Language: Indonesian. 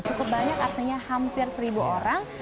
cukup banyak artinya hampir seribu orang